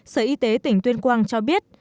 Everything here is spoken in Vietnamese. sở y tế tỉnh tuyên quang cho biết